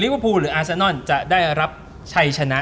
เวอร์พูลหรืออาซานอนจะได้รับชัยชนะ